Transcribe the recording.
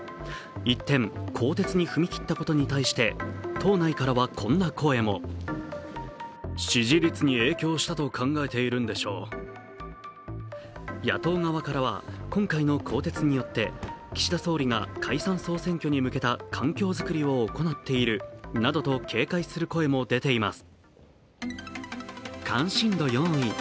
一転、更迭に踏み切ったことに対して党内からはこんな声も野党側からは今回の更迭によって岸田総理が解散総選挙に向けた環境作りを行っているなどと警戒する声も出ています。